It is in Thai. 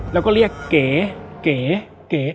แล้วก็เรียกเก๋เก๋เก๋